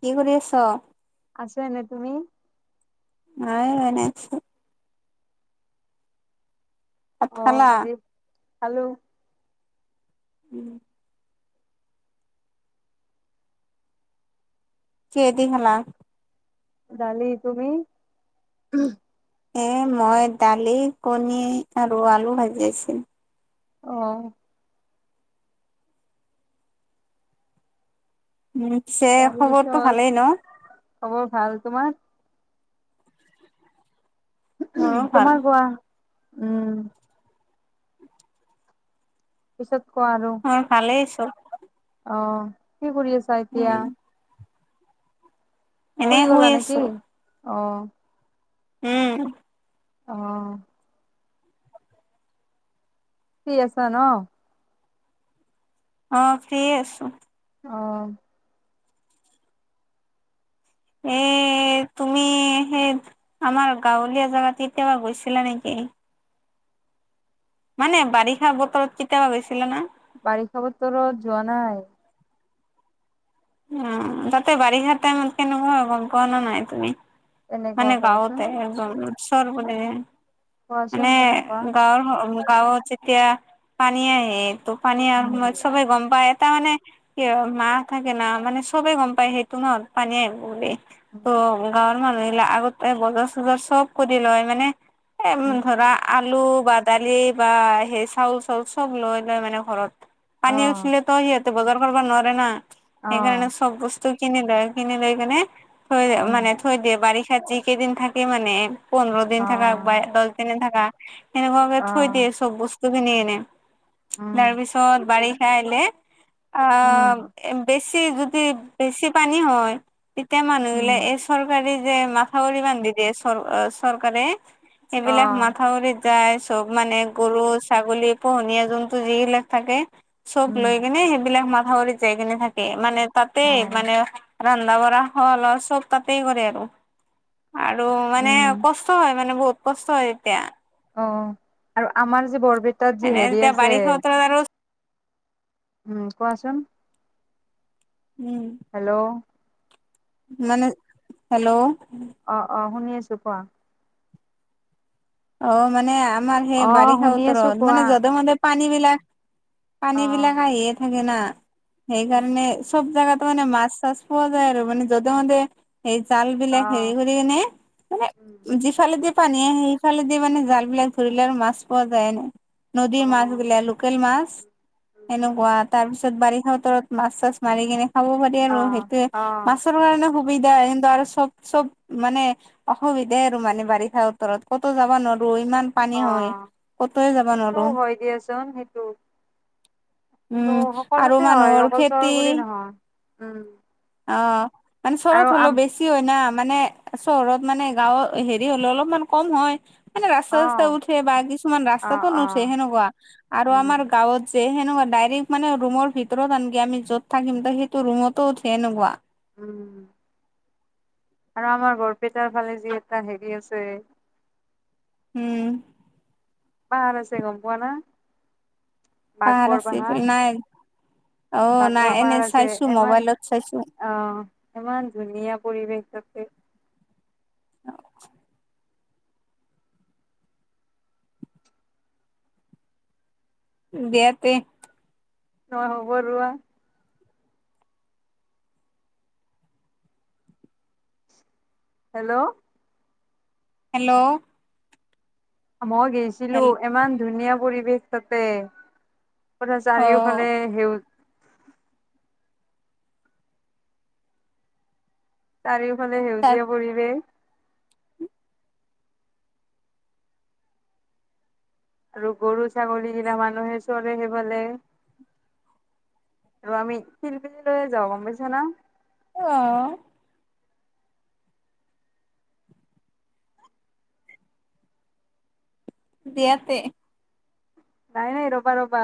কি কৰি আছ? আছো এনে, তুমি? মই মানে ভাত খালা? হেল্ল'। উম। কিহে দি খালা? দালি, তুমি? এ মই দালি, কণী আৰু আলু ভাজিছিলো। অ'। উন স খবৰটো তাৰপিছত ভালেই ন? খবৰ ভাল তোমাৰ মোৰো ভাল। তোমাৰ কোৱা উম। পছত মই ভালেই আছোঁ। অ, কি কৰি আছা এতিয়া? এনে শুই গলা নেকি আছো। অ। উম। অ'। শুই আছা ন? অ ফ্ৰী আছো। অ। এ তুমি সেই আমাৰ গাঁৱলীয়া জেগাত কেতিয়াবা গৈছিলা নেকি? [unintelligible] মানে বাৰিষা বতৰত কেতিয়াবা গৈছিলে না? বাৰিষাৰ বতৰত যোৱা নাই। উম তাতে বাৰিষা টাইমত কেনেকুৱা গম পোৱা নাই তুমি? তেনেকুৱা মানে কোৱাচোন গাঁৱতে। চৰ ব কোৱাচোন মানে কেনেকুৱা গাঁৱৰ গাঁৱত যেতিয়া পানী আহে তো পানী উম সময়ত সবে গম পাই। তাৰ মানে কি মাহ থাকে না মানে চবে গম পায় সেইটো ন পানীয়ে আহিব বুলি। উম ত' গাঁৱৰ মানুহিলাক আগতে বজাৰ চজাৰ চব কৰি লয় মানে। এ উম ধৰা আলু বা দালি বা সেই চাউল চাউল চব লৈ লৈ মানে ঘৰত। অ পানী উঠিলে তো সিহঁতে বজাৰ কৰিব নোৱাৰে না অ সেইকাৰণে চব বস্তু কিনি লয় কিনি লৈ কেনে থৈ উম মানে থৈ দিয়ে বাৰিষাত য কেইদিন থাকে মানে পোন্ধৰ দিন অ থাক বা দহ দিন এ থাকা। এনেুৱাকে অ থৈ দিয়ে চব বস্তু। বস্তুখিনি এনে উম তাৰপিছত বাৰিষা আহিলে আ উম বেছি যদি বেছি পানী হয় তেতিয়া উম মানুহবিলাক এই চৰকাৰী যে মাথাউৰি বান্ধি দিয়ে চ চৰকাৰে সেইবিলাক অ মাথাউৰিত যায় চব মানে গৰু, ছাগলী পোহনীয়া জন্তু যিবিলাক থাকে চব উম লৈ কিনে সেইবিলাক মাথাউৰিত যাই কিনে থাকে মানে তাতে অ মানে- ৰন্ধা বঢ়া হল আৰু চব তাতেই কৰে আৰু। আৰু মানে উম কষ্ট হয় মানে বহুত কষ্ট হয় তেতিয়া। অ আৰু আমাৰ যি বৰপেটাত যি এনে হেৰি তেতিয়া আছে। বাৰিষা বতৰত আৰু উম কোৱাচোন। উম হেল্ল'। মানে হেল্ল'। অ অ শুনি আছোঁ কোৱা। অ মানে আমাৰ সেই অ বাৰিষা শুনি আছো উতৰত মানে কোৱা যধে মে পান পানী বিলাক পানী অ বিলাক আহিয়ে থাকে না। ত উম মানে মাছ চাছ পোৱা যায় আৰু যধে মধে। সেই জাল অ বিলাক হেৰি কৰি কিনে মানে উম যিফালেদি পানী আহি ফালেদি মানে জাল বিলাক ধৰিলে আৰু মাছ পোৱা যায় নাই। অ নদীৰ মাছ গিলা লোকেল মাছ এনেকুৱা তাৰ পিছত ছত বাৰিষাৰত মাছ চাছ মাৰি কিনে খাব পাৰি অ আৰু সেইটোয়ে অ মাছ কাৰণে সুবিধা কিন্তু আৰু চব চব মানে অসুবিধাই আৰু মানে বাৰিষা বতৰত ক'তো যাব নোৱাৰ অ যাব সেইটো নোৱাৰো হয় দিয়াচোন সেইটো। উম সেইটো আৰু সকলোতে হয় মানুহৰ অকল চৰ বুলি খেতি নহয় উম। অ মানে চৰত আৰু হ'লেও আম বেছি হয় না। মানে চহৰত মানে গাঁওৰ হেৰি হলেও অলপমান কম হয়। এনে ৰাস্তা অ ঠাত্তা উঠে বা কিছুমান অ ৰাস্তাতো অ নুঠে সেনেকুৱা আৰু উম আমাৰ গাঁৱত সেনেকুৱা ডাইৰেক্ট মানে ৰুমৰ ভিতৰত আনকে আমি য'ত থাকিম সেইটো ৰুমতো উঠে সেনেকুৱা। উম আৰু আমাৰ বৰপেটাৰ ফালে যি এটা হেৰি আছে। উম। পাহাৰ আছে গম পোৱা না। পাহাৰ আছে নাই। অ', নাই বাঁকৰ এনে পাহাৰ আছে চাইছো ইমান মোবাইলত চাইছো আহ ইমান ধুনীয়া পৰিৱেশ। তাকে অ, দিয়াতে অ [inaudible] হেল্ল', হেল্ল', মই গেইছিলো হেল ইমান ধুনীয়া পৰিৱেশ তাতে। অ', চাৰিওফালে সেউজীয়া চাৰিওফালে তাৰ সেউজীয়া পৰিৱেশ। আৰু গৰু ছাগলী গিলা মানুহে চৰে সেইফালে। আৰু আমি সিপিনে লৈ যাবা গম পাইচানে। আহ দিয়াতে নাই-নাই ৰ'বা-ৰ'বা,